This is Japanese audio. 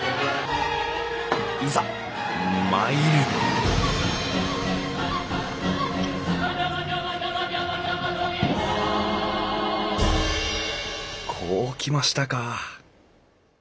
いざ参るこうきましたか。